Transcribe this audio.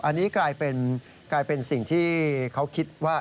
อันนี้กลายเป็นสิ่งที่เขาคิดว่า